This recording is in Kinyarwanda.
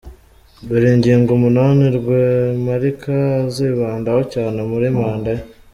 Dore ingingo umunani Rwemarika azibandaho cyane muri manda ye:.